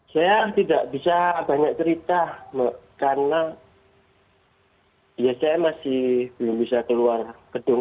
saya tidak bisa banyak cerita karena biasanya masih belum bisa keluar gedung